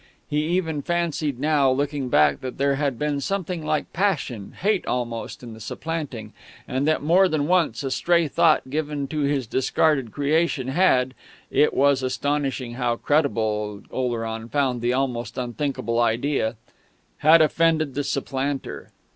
He even fancied now, looking back, that there had been something like passion, hate almost, in the supplanting, and that more than once a stray thought given to his discarded creation had (it was astonishing how credible Oleron found the almost unthinkable idea) had offended the supplanter.